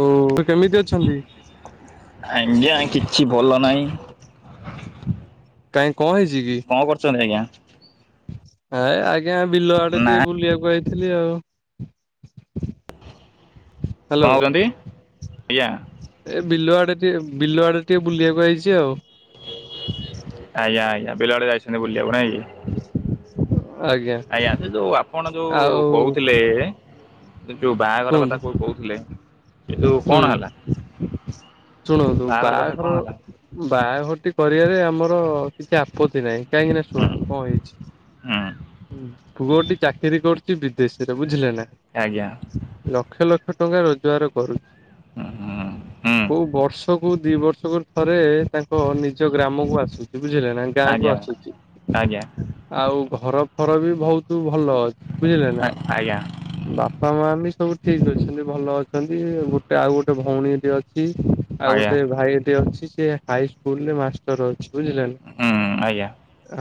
ଓ ସେ କେମିତି ଅଛନ୍ତି? ଆଜ୍ଞା କିଛି ଭଲ ନାହିଁ। କାଇଁ କଁ ହେଇଚିକି? କଣ କରୁଛନ୍ତି ଆଜ୍ଞା ଆ ଆଜ୍ଞା ବିଲ ଆଡେ଼ ନା ଟିକେ ବୁଲିବାକୁ ଆଇଥିଲି ଆଉ। ହାଲୋ। କଣ କରୁଛନ୍ତି ଆଜ୍ଞା ଏ ବିଲ ଆଡେ଼ ଟିକେ ବିଲ ଆଡେ଼ ଟିକେ ବୁଲିବାକୁ ହେଇଚି ଆଉ। ଆଜ୍ଞା ଆଜ୍ଞା ବିଲ ଆଡ଼େ ଯାଇଛନ୍ତି ବୁଲିବାକୁ ନାଇଁ କି? [inaudible] ଆଜ୍ଞା ସେ ଯୋଉ ଆପଣ ଯୋଉ ଆଉ କହୁଥିଲେ ଯୋଉ ବାହାଘର କଥା କୁହନ୍ତୁ କଁ କହୁଥିଲେ ସେଯୋଉ ହୁଁ କଣ ହେଲା? ବାହାଘର କଥା କଣ ହେଲା? ବାହାଘରଟି କରିବାରେ ଆମର କିଛି ଆପତ୍ତି ନାହିଁ। କାହିଁକିନା ହୁଁ ଶୁଣନ୍ତୁ କଣ ହୁଁ ହେଇଚି ପୁଅଟି ଚାକିରୀ କରୁଚି ବିଦେଶୀରେ ବୁଝିଲେ ନା। ଆଜ୍ଞା। ଲକ୍ଷ ଲକ୍ଷ ଟଙ୍କା ରୋଜଗାର କରୁଚି। ହୁଁ ହୁଁ ହୁଁ। କୋଉ ବର୍ଷକୁୁ ଦି ବର୍ଷକୁ ଥରେ ତାଙ୍କ ନିଜ ଗ୍ରାମକୁ ଆସୁଚି ବୁଝିଲେ ନା। ଗାଁକୁ ଆଜ୍ଞା ଆଜ୍ଞା ଆସୁଚି ଆଉ ଘର ଫରବି ବହୁତ୍ ଭଲ ଅଛି। ବୁଝିଲେନା ଆଜ୍ଞା ବା ବାପା ମାବି ସବୁ ଠିକ୍ ଅଛନ୍ତି ଭଲ ଅଛନ୍ତି ଗୋଟେ ଆଉ ଗୋଟେ ଭଉଣୀ ଅଛି। ଆଉ ଆଜ୍ଞା ଗୋଟେ ଭାଇଟେ ଅଛି ସେ ହାଇ ସ୍କୁଲରେ ମାଷ୍ଟର ଅଛି ବୁଝିଲନା। ହୁଁ ଆଜ୍ଞା।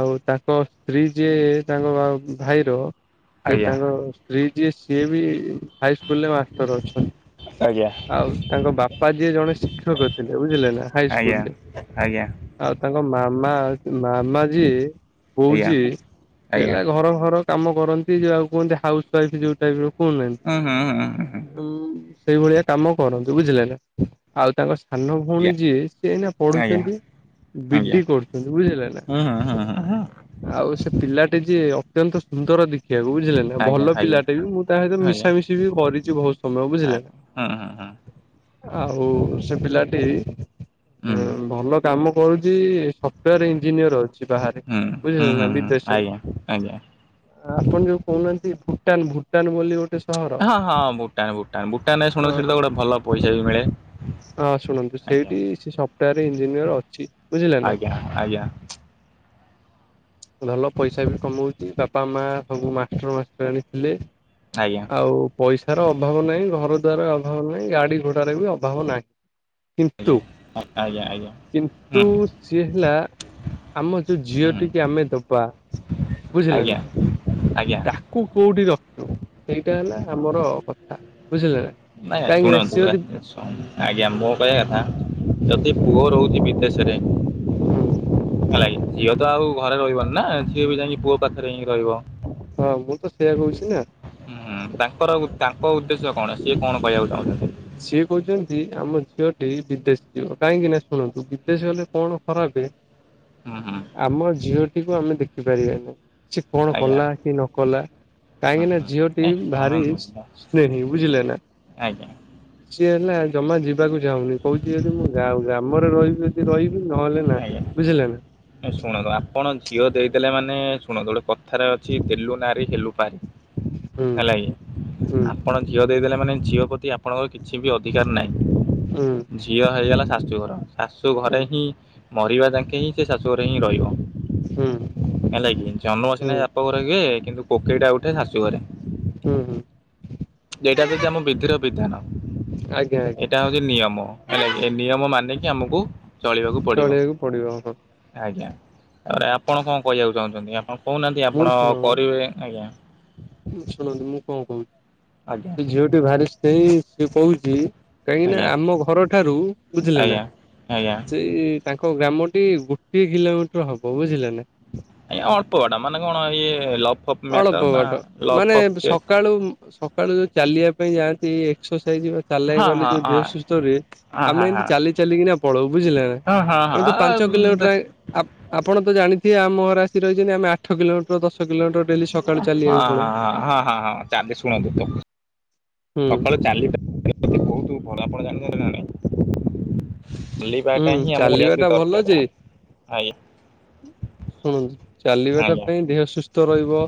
ଆଉ ତାଙ୍କ ସ୍ତ୍ରୀ ଯିଏ ତାଙ୍କ ଭାଇର ଆଜ୍ଞା ସେତାଙ୍କ ସ୍ତ୍ରୀ ଜିଏ ସିଏବି ହାଇସ୍କୁଲରେ ମାଷ୍ଟର ଅଛନ୍ତି। ଆଜ୍ଞା ଆଜ୍ଞା ଆଉ ତାଙ୍କ ବାପା ଯିଏ ଜଣେ ଶିକ୍ଷକ ଥିଲେ ବୁଝିଲେନା ହାଇ ଆଜ୍ଞା ସ୍କୁଲରେ ଆଜ୍ଞା। ଆଉ ତାଙ୍କ ମାମା ମାମା ଯିଏ ବୋଉ ଯିଏ ଆଜ୍ଞା ହେଲା ଘର ଘର କାମ କରନ୍ତି ଯାହାକୁ କୁହନ୍ତି ହାଉସ୍ୱାଇଫ୍ ଯଉ ଟାଇପ ର କୁହନାହାନ୍ତି। ହଁ ହଁ ହଁ ହଁ ହଁ। ଉ ସେଇଭଳିଆ କାମ କରନ୍ତୁ ବୁଝିଲେ ନା ଆଉ ତାଙ୍କ ସାନ ଆଜ୍ଞା ଭଉଣୀ ଯିଏ ସିଏ ଏଇନା ଆଜ୍ଞା ପଢୁଛନ୍ତି ବି ଆଜ୍ଞା ଡି କରୁଛନ୍ତି ବୁଝିଲେ ନା। ହୁଁ ହୁଁ ହୁଁ ହୁଁ ଆଉ ସେ ପିଲାଟି ଯିଏ ଅତ୍ୟନ୍ତ ସୁନ୍ଦର ଦେଖିବାକୁ ବୁଝିଲେ ନା ଆଜ୍ଞା ଭଲ ଆଜ୍ଞା ପିଲା। ତେଣୁ ମୁଁ ତା ସହିତ ଆଜ୍ଞା ମିଶାମିଶି ବି କରିଛି ବହୁତ ସମୟ ବୁଝିଲେ। ଆଜ୍ଞା ହୁଁ ହୁଁ ହୁଁ ଆଉ ସେ ପିଲାଟି ହୁଁ ଭଲ। କାମ କରୁଛି ସଫ୍ଟୱୋର ଇଞ୍ଜିନିୟର ଅଛି। ବାହାରେ ହୁଁ ବୁଝିଲେ ନା ହୁଁ ହୁଁ ବିଦେଶରେ। ଆଜ୍ଞା ଆଜ୍ଞା ଆପଣ ଯୋଉ କହୁନାହାନ୍ତି ଭୁଟାନ ଭୁଟାନ ବୋଲି ଗୋଟେ ସହର ହଁ ହଁ ଭୁଟାନ ଭୁଟାନ ଭୁଟାନ ଶୁଣିଚି ତ ଗୋଟେ ଭଲ ପଇସା ବି ମିଳେ। ହଁ ଶୁଣନ୍ତୁ ଆଜ୍ଞା ସେଇଠି ସେ ସଫ୍ଟାର ଇଞ୍ଜିନିୟର ଅଛି। ବୁଝିଲେ ନା। ଆଜ୍ଞା ଆଜ୍ଞା। ଭଲ ପଇସା ବି କମଉଛି ବାପା ମା ସବୁ ମାଷ୍ଟର ମାଷ୍ଟରାଣୀ ଥିଲେ। ଆଜ୍ଞା। ଆଉ ପଇସାର ଅଭାବ ନାହିଁ ଘର ଦୁଆର ର ଅଭାବ ନାହିଁ ଗାଡି ଘୋଡାରେ ବି ଅଭାବ ନାହିଁ। କିନ୍ତୁ ଆଜ୍ଞା ଆ ଆଜ୍ଞା ଆଜ୍ଞା। କିନ୍ତୁ ହୁଁ ସିଏ ହେଲା ଆମ ଯୋଉ ଝିଅ ହୁଁ ଟିକି ଆମେ ଦବା ବୁଝିଲେ ଆଜ୍ଞା ନା। ଆଜ୍ଞା ତାକୁ କୋଉଠି ରଖିବ ସେଇଟା ହେଲା ଆମର କଥା ବୁଝିଲେ ନା। ନାଇଁ କାହିଁକି ନା ଶୁଣନ୍ତୁ ସିଏ ଯଦି ଆଜ୍ଞା ମୋ କହିବା କଥା ଯଦି ପୁଅ ରହୁଛି ବିଦେଶରେ ହେଲାକି ଝିଅ ତ ଆଉ ଘରେ ରହିବନି ନା ଝିଅ ବି ଯାଇକି ପୁଅ ପାଖରେ ହେଇକି ରହିବ। ହଁ ମୁଁ ତ ସେଇଆ କହୁଛି ନା ହୁଁ ତାଙ୍କର ତାଙ୍କ ଉଦ୍ଦେଶ୍ୟ କଣ? ସିଏ କଣ କହିବାକୁ ଚାହୁଁଛନ୍ତି? ସିଏ କହୁଛନ୍ତି ଆମ ଝିଅଟି ବିଦେଶୀ ଯିବ କାହିଁକି ନା ଶୁଣନ୍ତୁ ବିଦେଶୀ ଗଲେ କଣ ଖରାପେ ହ [inaudible] ହଁ ହଁ। ଆମ ଝିଅଟିକୁୁ ଆମେ ଦେଖି ପାରିବାନି ସେ କଣ ଆଜ୍ଞା କଲା କି ନ କଲା ହଁ କାହିଁକି ନା ହଁ ଝିଅଟି ନାଇଁ ଭାରି ଶୁଣନ୍ତୁ ମୁଁ ସ୍ନେହୀ ବୁଝିଲେ ନା। ଆଜ୍ଞା। ସିଏ ହେଲା ଜମା ଯିବାକୁ ଚାହୁଁନି କହୁଛି ଯଦି ଗାଁ ଗ୍ରାମରେ ରହିବି ଯଦି ରହିବି ନହେଲେ ନାହିଁ ଆଜ୍ଞା ବୁଝିଲେ ନା। ଶୁଣନ୍ତୁ ଆପଣ ଝିଅ ଦେଇଦେଲେ ମାନେ ଶୁଣନ୍ତୁ ଗୋଟେ କଥାରେ ଅଛି ଦେଲୁ ନାରି ହେଲୁ ପାରି। ହୁଁ ହେଲା ହୁଁ କି ଆପଣ ଝିଅ ଦେଇଦେଲେ ମାନେ ଝିଅ ପ୍ରତି ଆପଣଙ୍କର କିଛି ବି ଅଧିକାର ନାହିଁ। ହୁଁ। ଝିଅ ହେଇଗଲା ଶାଶୁଘର ଶାଶୁ ହୁଁ ଘରେ ହିଁ ମରିବା ଯାକେ ହିଁ। ସେ ଶାଶୁ ଘରେ ହିଁ ରହିବ। ହୁଁ ହେଲାକିି ଜନ୍ମ ହୁଁ ସିନା ବାପ ଘରେ ହୁଏ କିନ୍ତୁ କୋକେଇଟା ଉଠେ ଶାଶୁ ଘରେ। ହୁଁ ହୁଁ ଏଇଟା ହଉଛି ଆମ ବିଧିର ବିଧାନ। ଆଜ୍ଞା ଆଜ୍ଞା ଏଇଟା ହଉଛି ନିୟମ ହେଲା କି ଏ ନିୟମ ମାନିକି ଆମକୁ ଚଳିବାକୁ ପଡ଼ିବ ଚଳିବାକୁ ପଡିବ। ଆଜ୍ଞା ତାପରେ ଆପଣ କଣ କହିବାକୁ ଚାହୁଁଛନ୍ତି ଆପଣ କହୁନାହାନ୍ତି ମୁଁ ଆପଣ ଶୁଣ କରିବେ ଆଜ୍ଞା। ଶୁଣନ୍ତୁ ମୁଁ କଣ କହୁ ଆଜ୍ଞା ସେ ଝିଅଟି ଭାରି ସ୍ନେହି ସିଏ କହୁଛି। କାହିଁକି ନା ଆଜ୍ଞା ଆମ ଘର ଠାରୁ ବୁଝିଲେ ନା ଆଜ୍ଞା ଆଜ୍ଞା। ସେଇ। ତାଙ୍କ ଗ୍ରାମଟି ଗୋଟିଏ କିଲୋମିଟର ହବ ବୁଝିଲେ ନା। ଆଜ୍ଞା ଅଳ୍ପ ବାଟ ମାନେ କଣ ଇଏ ଲଭ ଫପ ଅଳ୍ପ ମ୍ୟାଟର ନା ବାଟ ଲଭ୍ ମାନେ ଫପ କେ ସକାଳୁ ଉଁ ସକାଳୁ ଯୋଉ ଚାଲିବା ପାଇଁ ଯାଆନ୍ତି ଏକ୍ସରସାଇଜ ଚାଲିବାକୁ ହଁ ଗଲେ ହଁ ଯୋଉ ଦେହ ହଁ ସୁସ୍ଥ ରୁହେ ହଁ ଆମେ ହଁ ଏମିତି ହଁ ଚାଲି ଚାଲିକି ନା ପଳଉ ବୁଝିଲେ ନା। ହଁ ହଁ ଆମେ ତ ହଁ। ପାଞ୍ଚ କିଲୋମିଟର ଦେଖ ଆଏ। ଆ-ଆପଣ ତ ଜାଣିଥିବେ ଆମ ଘରେ ଆସି ରହିଛନ୍ତି ଆମେ ଆଠ କିଲୋମିଟର, ଦଶ କି ଅ ହଁ ହଁ ହଁ ହଁ ହଁ ଚାନ୍ଦି ଶୁଣନ୍ତୁ ତ ହୁଁ ସକାଳୁ ଚାଲି [inaudible] ବହୁତ ଭଲ ଆପଣ ଜାଣିଛନ୍ତି ନା ନାଇ। ଚାଲିବା ହୁଁ ଟା ହିଁ ଆମକୁ ଚାଲିବା ଟା ନିହାତି ଭଲ ଦରକାର ଯେ ଆ ଆଜ୍ଞା। ଶୁଣନ୍ତୁ ଚାଲିବାଟା ଆଜ୍ଞା ପାଇଁ ଦେହ ସୁସ୍ଥ ରହିବ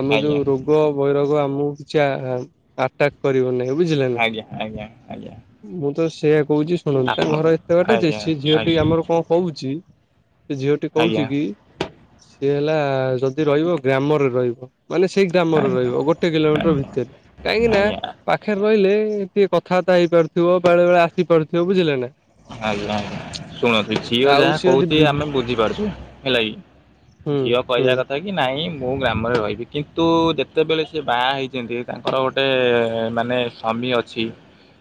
ଆମ ଆଜ୍ଞା ଯୋଉ ରୋ ଗ ବୈରୋଗ ଆମକୁ କିଛି ଆ-ଆଟାକ୍ କରିବ ନାହିଁ ବୁଝିଲେ ନା। ଆଜ୍ଞା ଆଜ୍ଞା ଆଜ୍ଞା ମୁଁ ତ ସେୟା କହୁଛି ଶୁଣନ୍ତୁ ଆପଣ ତାଙ୍କ ଘର ଏତେ ବାଟ ଯେ ଆଜ୍ଞା ସିଏ ଝିଅ ଟି ଆଜ୍ଞା ଆମର କ କଣ କହୁଛି ସେ ଝିଅଟି ଆଜ୍ଞା କହୁଛି କି। ସିଏ ହେଲା ଯଦି ରହିବ ଗ୍ରାମରେ ରହିବ। ମାନେ ସେଇ ଗ୍ରାମରେ ଆଜ୍ଞା। ରହିବ ଗୋଟେ କିଲୋମିଟର ଆଜ୍ଞା ଭିତରେ କାହିଁକି ନା। ଆଜ୍ଞା ପାଖରେ ରହିଲେ ଟିକେ କଥାବାର୍ତ୍ତା ହେଇପାରୁଥିବ ବେଳେ ବେଳେ ଆସିପାରୁଥିବ। ବୁଝିଲେ ନା? ଆଜ୍ଞା ଆଜ୍ଞା। ଶୁଣ ସେ ଝିଅ ଆଉ ଯାହା ସେ ଯଦି କହୁଛି ବି ଆମେ ବୁଝିପାରୁଛୁ ହେଲା ହୁଁ କି ଝିଅ ହୁଁ କହିବା କଥା। କି ନାଇଁ ମୁଁ ଗ୍ରାମରେ ରହିବି କିନ୍ତୁ ଯେତେବେଳେ ସେ ବାହା ହେଇଛନ୍ତି ତାଙ୍କର ଗୋଟେ ମାନେ ସ୍ୱାମୀ ଅଛି।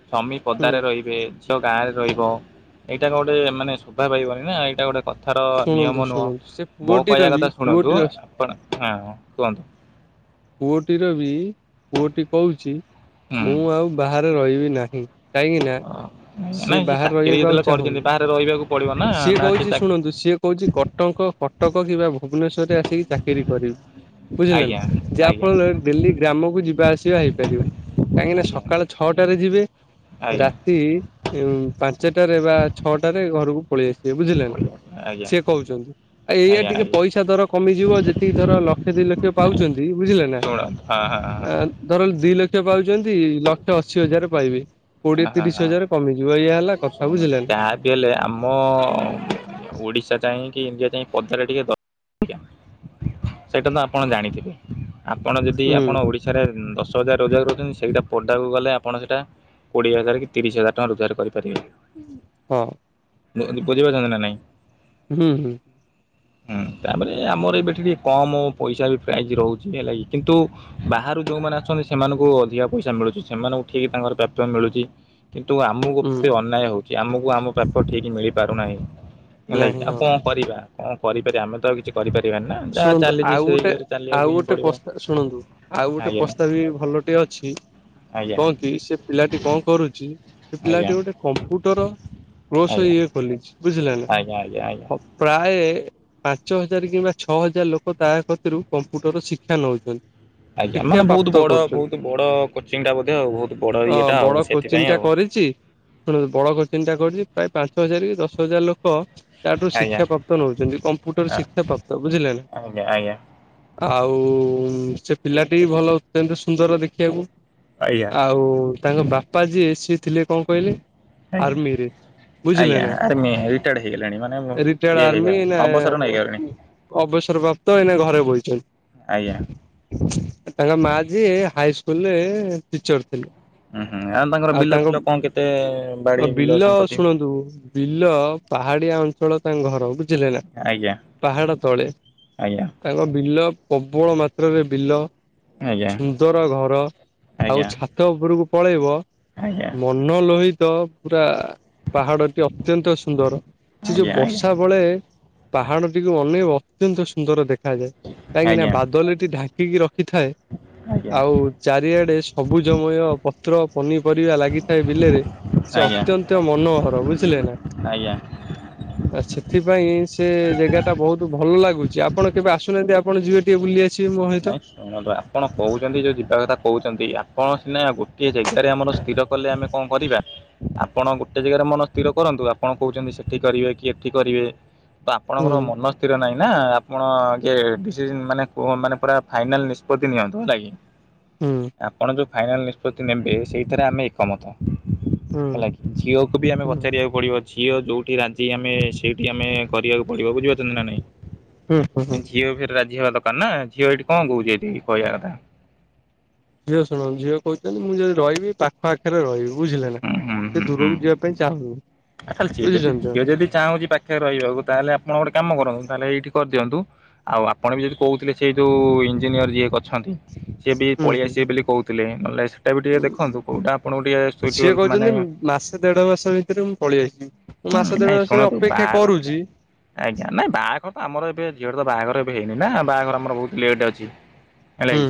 ସ୍ୱାମୀ ହୁଁ ପଦାରେ ରହିବେ ଝିଅ ଗାଁ ରହିବ ଏଇଟା କଣ ଗୋଟେ ମାନେ ଶୋଭା ପାଇବନି ନା ଏଇଟା ଗୋଟେ କ ଥାର ଶୁଣନ୍ତୁ ନିୟମ ନୁହଁ ଶୁଣନ୍ତୁ ସେ ମୋ ପୁଅଟିର କହିବା ବି କଥା ଶୁଣନ୍ତୁ ପୁଅଟିର ଆପଣ ହଁ କୁହନ୍ତୁ। ପୁଅଟିର ବି ପୁଅଟି କହୁଛି ହୁଁ ମୁଁ ଆଉ ବାହାରେ ରହିବି ନାହିଁ। କାହିଁକିନା ସିଏ ନାଇଁ ସେ ବାହାରେ ଚାକିରି ରହିଆକୁ ଯେତେବେଳେ ଆଉ କରିଛନ୍ତି ଚାହୁଁନି। ବାହାରେ ରହିବାକୁ ପଡ଼ିବ ନା ସିଏ ନା ସେ କହୁଛି ଚା- ଶୁଣନ୍ତୁ ସିଏ କହୁଛି କଟଙ୍କ କଟକ କିିବା ଭୁବନେଶ୍ଵରରେ ଆସିକି ଚା କିରୀ କରିବି ବୁଝିଲେ ଆଜ୍ଞା ନା? ଆଜ୍ଞା ଯାହାଫଳରେ ଡେଲି ଗ୍ରାମକୁ ଯିବା ଆସିବା ହେଇପାରିବ। କାହିଁକିନା ଆଜ୍ଞା ସକାଳ ଛଅଟାରେ ଯିବେ। ଆଜ୍ଞା ରାତି ଉଁ ପାଞ୍ଚଟାରେ ବା ଛଅଟାରେ ଘରକୁ ପଳେଇ ଆସିବେ। ବୁଝିଲେ? ଆଜ୍ଞା ସିଏ କହୁଛନ୍ତି। ଆଉ ଏଇଆ ଆଜ୍ଞା ଟିକେ ଆଜ୍ଞା ପଇସା ଦର କମିଯିବ ଯେତିକି ଧର ଲକ୍ଷେ ଦି ଲକ୍ଷ ପାଉ ନାଇଁ ଇ ବୁଝିଲେ ନା? ଶୁଣନ୍ତୁ ହଁ ହଁ ହଁ ଆ ଧର ଦି ଲକ୍ଷ ପାଉଛନ୍ତି ଲକ୍ଷେ ଅଶି ହଜାର ପାଇବେ କୋଡିଏ, ହଁ ତିରିଶ ହଁ ହଜାର ହଁ କମିଯିବ। ଏୟା ହେ ଶୁଣନ୍ତୁ ତା ହେଲେ ଆମ ଓଡ଼ିଶା ଯାଇଁ କି ଇଣ୍ଡିଆ ଯାଇ ପଦାରେ ଟିକେ ଦ ସେଇଟା ତ ଆପଣ ଜାଣିଥିବେ। ଆପଣ ଯଦି ହୁଁ ଆପଣ ଓଡ଼ି ଓଡ଼ିଶାରେ ଦଶ ହଜାର ରୋଜଗାର କରୁଛନ୍ତି ସେଇଟା ପଦାକୁ ଗଲେ ଆପଣ ସେଟା। କୋଡ଼ିଏ ହଜାର କି ତିରିଶହଜାର ଟଙ୍କା ରୋଜଗାର କରିପାରିବେ। ହଁ। [unintelligible] ବୁଝିପାରୁଛନ୍ତି ନା ନାଇଁ? ହୁଁ ହୁଁ। ହୁଁ ତାପରେ ଆମର ବି ଏଠି ଟିକେ କମ ପଇସା ବି ପ୍ରାଇଜ ରହୁଛି ହେଲା କି କିନ୍ତୁ। ବାହାରୁ ଯୋଉମାନେ ଆସୁଛନ୍ତି ସେମାନଙ୍କୁ ଅଧିକା ପଇସା ମିଳୁଛି ସେମାନଙ୍କୁ ଠିକ୍ ତାଙ୍କର ପ୍ରାପ୍ୟ ମିଳୁଚି। କିନ୍ତୁ ଆମୁକୁ ହୁଁ ତି ଅନ୍ୟାୟ ହଉଚି ଆମକୁ ଆମ ପ୍ରାପ୍ୟ ଠିକ୍ ମିଳିପାରୁନାହିଁ। ହେଲା କିି ନାହିଁ ଆଉ ହଁ କଣ କରିବା କଣ କରିପାରିଆ ଆମେ ତ ଆଉ କିଛି କରିପାରିବାନି ନା ଯାହା ଶୁଣନ୍ତୁ ଆଉ ଚାଲିଛି ସେଇ ଗୋଟେ ଇଏରେ ଚାଲିବାକୁ ଆଉ ହିଁ ଗୋଟେ ପଡିବ। ପସ୍ତା ଶୁଣନ୍ତୁ ଆଉ ଗୋଟେ ଆଜ୍ଞା ପ୍ରସ୍ତାବ ବି ଭଲ ଟେ ଅଛି ଆଜ୍ଞା। ବି ସେ ପିଲାଟି କଣ କରୁଚି ସେ ପିଲାଟି ଆଜ୍ଞା ଗୋଟେ କମ୍ପ୍ୟୁଟର କ୍ଲୋସ ଆଜ୍ଞା ଇଏ ଖୋଲିଛି। ବୁଝିଲେ ଆଜ୍ଞା ଆଜ୍ଞା ଆଜ୍ଞା। ନା ପ୍ରାୟେ ପାଞ୍ଚହଜାରେ କିମ୍ବା ଛଅହଜାରେ ଲୋକ ତା କତିରୁ କମ୍ପ୍ୟୁଟର ଶିକ୍ଷା ନଉଚନ୍ତି। ଆଜ୍ଞା ମାନେ ବହୁତ୍ ବଡ ବହୁତ୍ ବଡ କୋଚିଂଟା ବୋଧେ ଉ ବହୁତ୍ ବଡ ଅ ଇଏଟା ଆଉ ସେଥିପାଇଁ ଆଉ। ଶୁଣ ବଡ କୋଚିଂ ଟା କରିଛି ପ୍ରାୟ ପାଞ୍ଚହଜାରେ କି ଦଶହଜାରେ ଲୋ କ ତାଠୁ ଆଜ୍ଞା ଶିକ୍ଷା ପ୍ରାପ୍ତ ନଉଚନ୍ତି କମ୍ପ୍ୟୁଟର ଶିକ୍ଷା ପ୍ରାପ୍ତ ବୁଝିଲେ ନା? ଆଜ୍ଞା ଆଜ୍ଞା ଆଉ ସେ ପିଲାଟି ବି ଭଲ ସେମିତି ସୁନ୍ଦର ଦେଖିଆକୁ। ଆଜ୍ଞା। ଆଉ ତାଙ୍କ ବାପା ଯିଏ ସିଏ ଥିଲେ କଣ କହିଲେ ଆଜ୍ଞା ଆର୍‌ମି ରେ। ଆଜ୍ଞା ଆର୍ ମି ରିଟାୟାର୍ଡ ହେଇଗଲେଣି ମାନେ ରିଟାୟାର୍ଡ ଇଏ ହେଲେଣି ଅବସର ନେଇ ଗଲେଣି। ଅବସରପ୍ରାପ୍ତ ଏଇନେ ଘରେ ଆଜ୍ଞା ବଇଚନ୍ତି। ତାଙ୍କ ମାଆ ଯିଏ ହାଇସ୍କୁଲ୍ ରେ ଟିଚର୍ ଥିଲେ। ଉଁ ହୁଁ ଆଉ ତାଙ୍କର ବିଲ ଫିଲ କଣ କେତେ ବାଡି ବିଲ ସମ୍ପତ୍ତି? ଦୁ ବିଲ ପାହାଡିଆ ଅଞ୍ଚଳ ତାଙ୍କ ଘର ବୁଝିଲେ ନା ଆଜ୍ଞା ପାହାଡ ତଳେ ଆଜ୍ଞା। ତାଙ୍କ ବିଲ ପ୍ରବଳ ମାତ୍ରାରେ ବିଲ ଆଜ୍ଞା ସୁନ୍ଦର ଘର ଆଉ ଆଜ୍ଞା ଛାତ ଉପୁରୁକୁ ପଳେଇବ ଆଜ୍ଞା ଆଜ୍ଞା ମ ନ ଲୋହିତ ପୁରା ପାହାଡଟି ଅତ୍ୟନ୍ତ ସୁନ୍ଦର। ସେ ଯୋଉ ଆଜ୍ଞା ବର୍ଷା ବଳେ ପାହାଡଟିକୁ ଅନେକ ଅତ୍ୟନ୍ତ ସୁନ୍ଦର ଦେ ଖାଯାଏ କାହିଁକି ନା ଆଜ୍ଞା। ବାଦଲଟି ଢାଙ୍କିକି ରଖିଥାଏ ଆଉ ଚାରିଆଡେ ସବୁଜମୟ ପତ୍ର ପନିପରିବା ଲାଗିଥାଏ ବିଲେରେ ଆଜ୍ଞା ସେ ଆଜ୍ଞା ଅତ୍ୟନ୍ତ ମନୋହର ବୁଝିଲେ ନା? ଆଜ୍ଞା। ଆ ସେଥିପାଇଁ ସେ ଜେଗା ଟା ବହୁତ୍ ଭଲ ଲାଗୁଚି ଆପଣ କେବେ ଆସୁନାହାନ୍ତି ଆ ପଣ ଜିବେ ଟିକେ ବୁଲି ଆସିବେ ମୋ ସହିତ। କେ ଯେ ଯିଦା [inaudible] କହୁଚନ୍ତି ଆପଣ ସିନା ଗୋଟିଏ ଜେଗାରେ ଆମର ସ୍ଥିର କଲେ ଆମେ କଣ କରିବା ଆପଣ ଗୋଟେ ଜେଗାରେ ମନ ସ୍ଥିର କରନ୍ତୁ ଆପଣ କହୁଚନ୍ତି ସେଠି କରିବା କି ଏଠି କରିବେ ତ ହୁଁ ଆପଣଙ୍କର ମନ ସ୍ଥିର ନାହିଁ ନା ଆପଣ କି ଏଡିସିସନ୍ ମାନେ କୁହ ମାନେ ପୁରା ଫାଇନାଲ୍ ନିଷ୍ପତି ନିଅନ୍ତୁ ହେଲା କି ହୁଁ। ଆପଣ ଯୋଉ ଫାଇନାଲ୍ ନିଷ୍ପତ୍ତି ନେବେ ସେଇଥିରେ ଆମେ ଏକମତ ହୁଁ ହେଲାକି ଝିଅକୁ ବି ଆମେ ହୁଁ ପଚାରିଆକୁ ପଢିବ ଝିଅ ଯୋଉଠି ରାଜି ଆମେ ସେଇଠି ଆମେ କରିବାକୁ ପଡିବ ବୁଝିପାରୁଚନ୍ତି ନା ନାଇଁ? ହୁଁ ହୁଁ ହୁଁ। ଝିଅ ଫେରେ ରାଜି ହବା ଦକାର ନା ଝିଅ ଏଠି କଣ କହୁଛି ଏଠି କହିଆ କଥା ଝିଅ ଶୁଣ ଝିଅ କହୁଚନ୍ତି ମୁଁ ଯଦି ରହିବି ପାଖ ଆଖରେ ରହିବୁ। ବୁଝିଲେ ନା ହୁଁ ସେ ଦୂରକୁ ଯିବା ପାଇଁ ଚାହୁଁନି। ଆଉ ତାଲେ ଝିଅ ଯଦି ବୁଝୁଛନ୍ତି ତ ଝିଅ ଯଦି ଚାହୁଁଚି ପା ଖେରେ ରହିବାକୁ ତାହେଲେ ଆପଣ ଗୋଟେ କାମ କରନ୍ତୁ ତାହଲେ ଏଇଠି କରିଦିଅନ୍ତୁ ଆଉ ଆପଣ ବି ଯଦି କହୁଥିଲେ ସେ ଯୋଉ ଇଞ୍ଜିନିୟର ଯିଏ ଅଛନ୍ତି ସିଏ ବି ହୁଁ ହୁଁ। ପଳେଇଆସିବେ ବେଲି କହୁଥିଲେ ନହେଲେ ସେଇଟା ବି ଟିକେ ଦେଖନ୍ତୁ କେଉଟା ଆପଣଙ୍କୁ ଟିକେ ସିଏ ସୁ୍ଇଟେବୁଲ୍ କହୁଛନ୍ତି ମାନେ ମାସେ ଦେଢ ମାସେ ଭିତରେ ମୁଁ ପଳେଇ ଆସିବି ମୁଁ ହୁଁ ମାସ ନାଇଁ ଦେଢ ମାସେ ଶୁଣନ୍ତୁ ଅପେକ୍ଷା ବାହାଘର କରୁଛି ଆଜ୍ଞା ନାଇଁ ବାହାଘର ତ ଆମର ଏବେ ଝିଅର ତ ବାହାଘର ଏବେ ହେଇନି ନା ବାହାଘର ଆମର ବହୁତ ଲେଟ୍ ଅଛି। ହେଲା କି ହୁଁ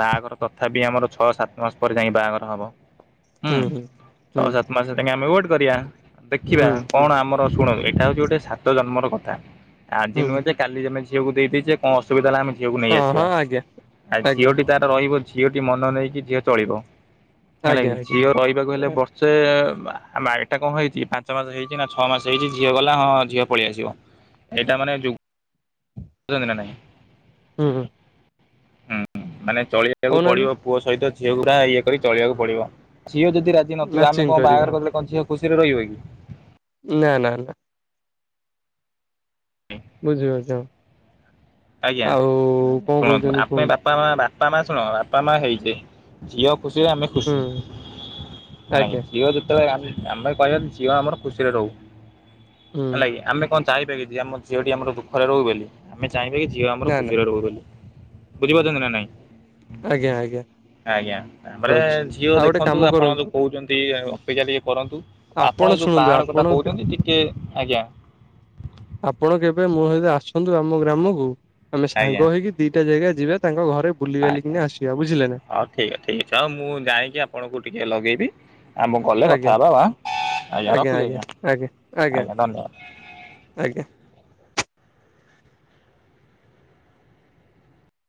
ବାହାଘର ତଥାପି ଆମର ଛଅ ସାତ ମାସ ପରେ ଯାଇ ବାହାଘର ହବ। ହୁଁ ହୁଁ ଛଅ ସାତ ମାସେ ଆମେ ୱେଟ୍ କରିବାଆ। ଦେଖିବା ହୁଁ କଣ ଆମର ଶୁଣନ୍ତୁ ଏଇଟା ହଉଛି ଗୋଟେ ସାତ ଜନ୍ମର କଥା ଆଜି ହୁଁ ହୁଁ ନୁହେଁ ଯେ କାଲି ଆମେ ଝିଅକୁ ଦେଇଦେଇଛେ କଣ ଅସୁବିଧା ହେଲା ଆମେ ଝିଅକୁ ନେଇ ହଁ ଆସିବା ହଁ ଆଜ୍ଞା ଆ ଆଜ୍ଞା ଝିଅଟି ତାର ରହିବ ଝିଅଟି ମନ ନେଇକି ଝିଅ ଚଳିବ ହେଲା ଆଜ୍ଞା କିି ଆଜ୍ଞା ଝିଅ ରହିବାକୁ ହେଲେ ବର୍ଷ ସେ ଆମ ଏଟା କଣ ହେଇଛି ପା ପାଞ୍ଚ ମାସ ହେଇଛି ନା ଛଅ ମାସ ହେଇଛି ଝିଅ ଗଲା ହଁ ଝିଅ ପଳେଇଆସିବ ଏଇଟା ମାନେ ଯୁ ନାହିଁ [unintelligible] ହୁଁ ହୁଁ। ହୁଁ ମାନେ ଚଳିବାକୁ କହୁନାହାନ୍ତି ପଡିବ। ପୁଅ ସହିତ ଝିଅ ଗୁରା ଇଏ କରି ଚଳିବାକୁ ପଡ଼ିବ। ଝିଅ ଯଦି ରାଜି ନଥିବେ ମ୍ୟାଚିଂ ଆମେ କଣ କରିକି ହଁ। ବାହାଘର କଲେ କଣ ଝିଅ ଖୁସିରେ ରହିବା କି? ନା ନା ନା। ହୁଁ। ବୁଝିପାରୁଛ? ଆଜ୍ଞା କଣ ଶୁଣନ୍ତୁ କହୁଛନ୍ତି ଆପେ କୁହନ୍ତୁ ବାପା ମା ବାପା ମା ଶୁଣ ବାପା ମା ହେଇକି ଝିଅ ଖୁସିରେ ଆମେ ହୁଁ ଖୁସି ହେଲା କି? ଆଜ୍ଞା ଝିଅ ଯେତେବେଳେ ରାଜି ଆମେ କହିବା ଝିଅ ଆମର ଖୁସିରେ ରହୁ ହୁଁ ହେଲା କିି ଆମେ କଣ ଚାହିପାକି ଆମ ଝିଅଟି ଆମର ଦୁଃରେ ରହୁ ବୋଲି? ଚାହିଁବେ କି ଝିଅ ଆମର ନା ନା ଖୁସିରେ ରହୁ ବୋଲି ବୁଝିପାରୁଛନ୍ତି ନା ନାଇଁ? ଆଜ୍ଞା ଆଜ୍ଞା। ଆଜ୍ଞା ତାପରେ ପାରୁଛି ଝିଅ ଆଉ ଗୋଟେ ଦେଖନ୍ତୁ କାମ ଆପଣ ଯୋଉ କରନ୍ତୁ କହୁଛନ୍ତି ଅପେକ୍ଷା ଟିକେ କରନ୍ତୁ। ଆପଣ ଏଇ ଯୋଉ ଶୁଣନ୍ତୁ ପାହାଡ କଥା ଆପଣ କହୁଛନ୍ତି ଟିକେ ଆଜ୍ଞା। ଆପଣ କେବେ ମୋ ସହିତ ଆସନ୍ତୁ ଆମ ଗ୍ରାମକୁ ଆମେ ଆଜ୍ଞା ସାଙ୍ଗ ହେଇକି ଦିଟା ଜାଗା ଯିବା ତାଙ୍କ ଘରେ ଆଜ୍ଞା ବୁଲିିବାଲିକିନି ଆସିବା ବୁଝିଲେ ନା? ହଉ ଠିକ୍ ଠିକ ଅଛି ଆଉ ମୁଁ ଯାଇକି ଆପଣଙ୍କୁ ଟିକେ ଲଗେଇବି। ଆ ମୁଁ ଗଲେ ଆଜ୍ଞା କଥା ହେବା ଆ ଆଜ୍ଞା ରଖୁଛି ଆଜ୍ଞା ଆଜ୍ଞା ଧନ୍ୟବାଦ। ଆଜ୍ଞା।